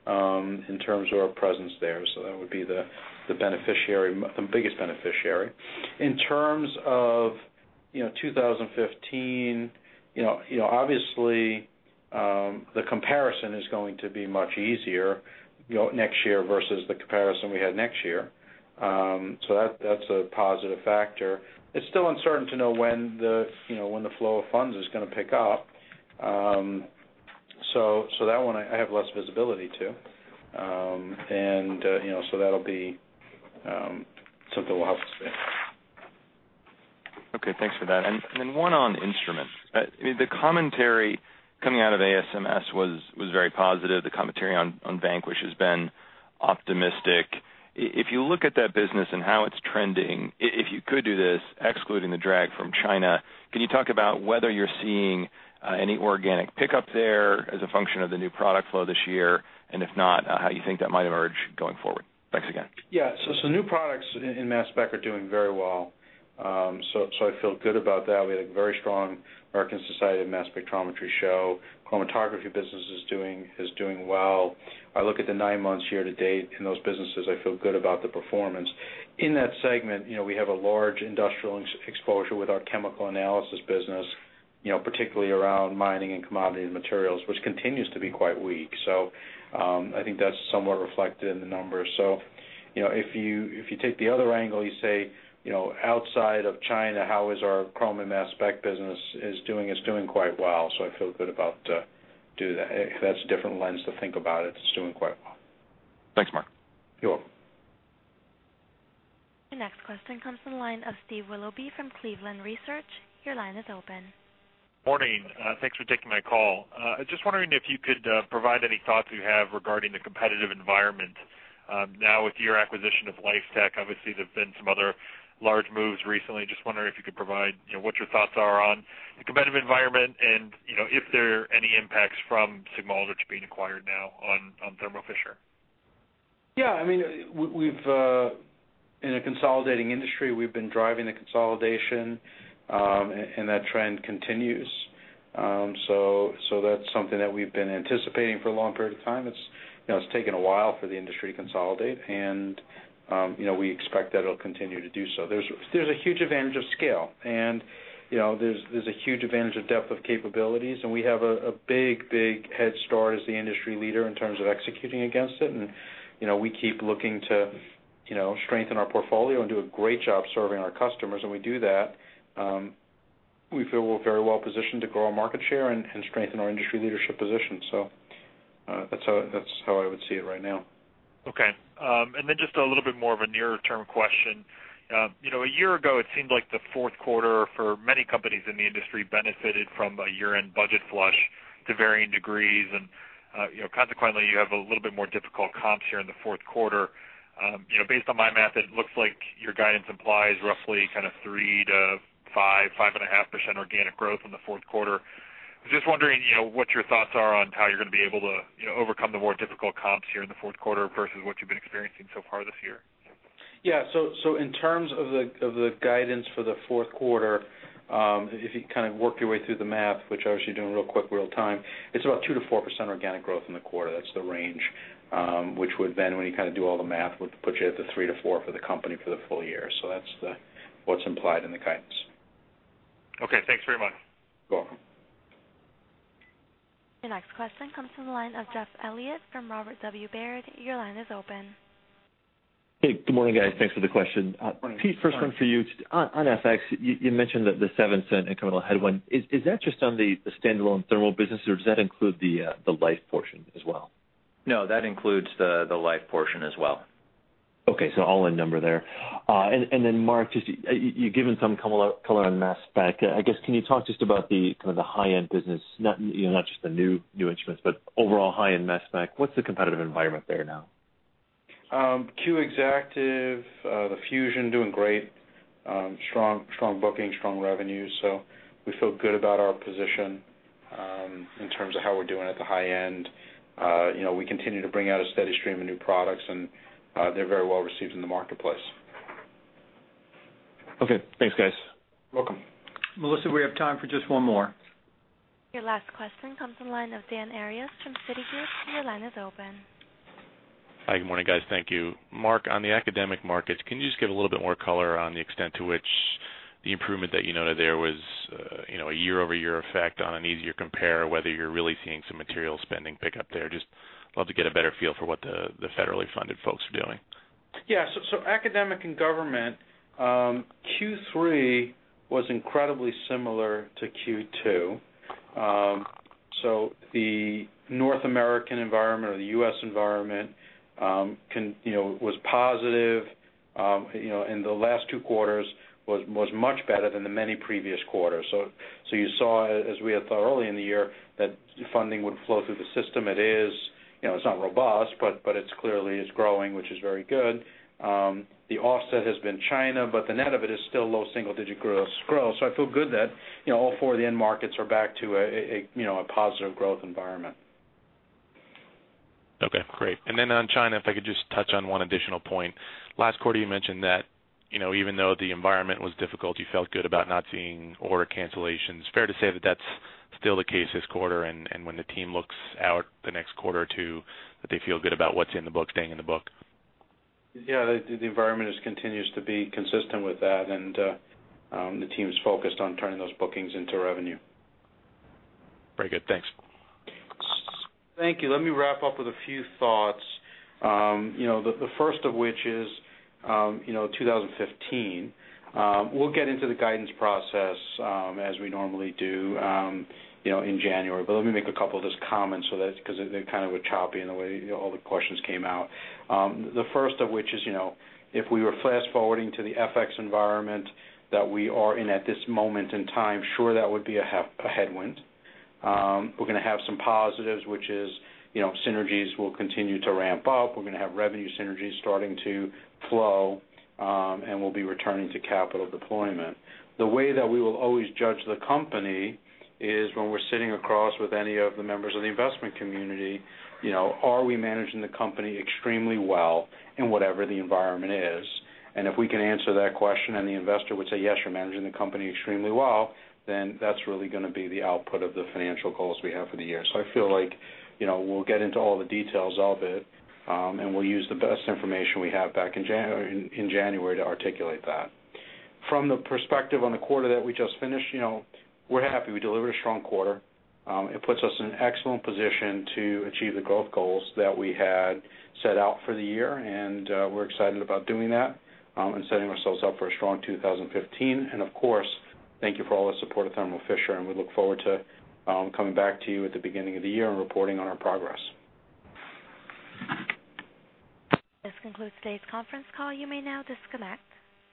in terms of our presence there. That would be the biggest beneficiary. In terms of 2015, obviously, the comparison is going to be much easier next year versus the comparison we had next year. That's a positive factor. It's still uncertain to know when the flow of funds is going to pick up. That one I have less visibility to. That'll be something we'll have to see. Okay, thanks for that. Then one on Instruments. The commentary coming out of ASMS was very positive. The commentary on Vanquish has been optimistic. If you look at that business and how it's trending, if you could do this, excluding the drag from China, can you talk about whether you're seeing any organic pickup there as a function of the new product flow this year? If not, how you think that might emerge going forward? Thanks again. Yeah. Some new products in mass spec are doing very well. I feel good about that. We had a very strong American Society for Mass Spectrometry show. Chromatography business is doing well. I look at the nine months year to date in those businesses, I feel good about the performance. In that segment, we have a large industrial exposure with our chemical analysis business, particularly around mining and commodity materials, which continues to be quite weak. I think that's somewhat reflected in the numbers. If you take the other angle, you say, outside of China, how is our chrome and mass spec business is doing? It's doing quite well. I feel good about doing that. That's a different lens to think about it. It's doing quite well. Thanks, Marc. You're welcome. Your next question comes from the line of Steve Willoughby from Cleveland Research. Your line is open. Morning. Thanks for taking my call. Just wondering if you could provide any thoughts you have regarding the competitive environment. Now with your acquisition of Life Tech, obviously, there's been some other large moves recently. Just wondering if you could provide what your thoughts are on the competitive environment and if there are any impacts from Sigma-Aldrich being acquired now on Thermo Fisher? Yeah, in a consolidating industry, we've been driving the consolidation, and that trend continues. That's something that we've been anticipating for a long period of time. It's taken a while for the industry to consolidate, and we expect that it'll continue to do so. There's a huge advantage of scale, and there's a huge advantage of depth of capabilities, and we have a big head start as the industry leader in terms of executing against it, and we keep looking to strengthen our portfolio and do a great job serving our customers, and we do that. We feel we're very well positioned to grow our market share and strengthen our industry leadership position. That's how I would see it right now. Okay. Just a little bit more of a nearer term question. A year ago, it seemed like the fourth quarter for many companies in the industry benefited from a year-end budget flush to varying degrees, and consequently, you have a little bit more difficult comps here in the fourth quarter. Based on my math, it looks like your guidance implies roughly kind of 3% to 5.5% organic growth in the fourth quarter. I was just wondering, what your thoughts are on how you're going to be able to overcome the more difficult comps here in the fourth quarter versus what you've been experiencing so far this year? Yeah. In terms of the guidance for the fourth quarter, if you kind of work your way through the math, which I was actually doing real quick, real time, it's about 2% to 4% organic growth in the quarter. That's the range, which would then, when you kind of do all the math, would put you at the 3% to 4% for the company for the full year. That's what's implied in the guidance. Okay, thanks very much. You're welcome. Your next question comes from the line of Jeff Elliott from Robert W. Baird. Your line is open. Hey, good morning, guys. Thanks for the question. Good morning. Pete, first one for you. On FX, you mentioned the $0.07 incremental headwind. Is that just on the standalone Thermo business or does that include the Life portion as well? No, that includes the Life portion as well. Okay. All-in number there. Marc, just you've given some color on mass spec. I guess, can you talk just about the kind of the high-end business, not just the new instruments, but overall high-end mass spec. What's the competitive environment there now? Q Exactive, the Fusion doing great. Strong booking, strong revenues. We feel good about our position, in terms of how we're doing at the high end. We continue to bring out a steady stream of new products, they're very well-received in the marketplace. Okay, thanks, guys. Welcome. Melissa, we have time for just one more. Your last question comes from the line of Daniel Arias from Citigroup. Your line is open. Hi, good morning, guys. Thank you. Marc, on the academic markets, can you just give a little bit more color on the extent to which the improvement that you noted there was a year-over-year effect on an easier compare, whether you're really seeing some material spending pick up there? Just love to get a better feel for what the federally funded folks are doing. Yeah. Academic and government, Q3 was incredibly similar to Q2. The North American environment or the U.S. environment was positive, and the last two quarters was much better than the many previous quarters. You saw, as we had thought early in the year, that funding would flow through the system. It is, it's not robust, but it clearly is growing, which is very good. The offset has been China, but the net of it is still low single-digit growth. I feel good that all four of the end markets are back to a positive growth environment. Okay, great. On China, if I could just touch on one additional point. Last quarter, you mentioned that even though the environment was difficult, you felt good about not seeing order cancellations. Fair to say that that's still the case this quarter, and when the team looks out the next quarter or two, that they feel good about what's in the book staying in the book? Yeah, the environment continues to be consistent with that, and the team's focused on turning those bookings into revenue. Very good. Thanks. Thank you. Let me wrap up with a few thoughts. The first of which is 2015. We'll get into the guidance process, as we normally do in January, but let me make a couple of just comments so that, because it kind of went choppy in the way all the questions came out. The first of which is, if we were fast-forwarding to the FX environment that we are in at this moment in time, sure, that would be a headwind. We're going to have some positives, which is synergies will continue to ramp up. We're going to have revenue synergies starting to flow, and we'll be returning to capital deployment. The way that we will always judge the company is when we're sitting across with any of the members of the investment community, are we managing the company extremely well in whatever the environment is? If we can answer that question and the investor would say, "Yes, you're managing the company extremely well," that's really going to be the output of the financial goals we have for the year. I feel like we'll get into all the details of it, and we'll use the best information we have back in January to articulate that. From the perspective on the quarter that we just finished, we're happy we delivered a strong quarter. It puts us in an excellent position to achieve the growth goals that we had set out for the year, and we're excited about doing that, and setting ourselves up for a strong 2015. Of course, thank you for all the support of Thermo Fisher, and we look forward to coming back to you at the beginning of the year and reporting on our progress. This concludes today's conference call. You may now disconnect.